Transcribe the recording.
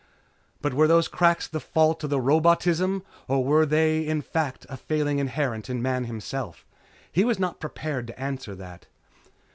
But were those cracks the fault of robotism or were they in fact a failing inherent in Man himself? He was not prepared to answer that.